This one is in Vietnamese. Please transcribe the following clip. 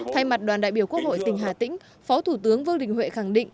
thay mặt đoàn đại biểu quốc hội tỉnh hà tĩnh phó thủ tướng vương đình huệ khẳng định